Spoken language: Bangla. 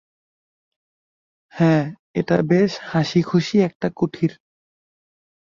হ্যাঁ, এটা বেশ হাসিখুশি একটা কুটির।